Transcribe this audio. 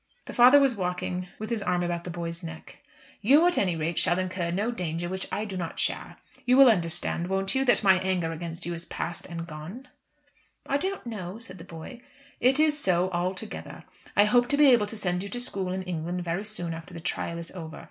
The father was walking with his arm about the boy's neck. "You, at any rate, shall incur no danger which I do not share. You will understand won't you that my anger against you is passed and gone?" "I don't know," said the boy. "It is so, altogether. I hope to be able to send you to school in England very soon after the trial is over.